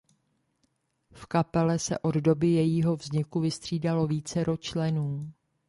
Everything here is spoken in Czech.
V kapele se od doby jejího vzniku vystřídalo vícero členů.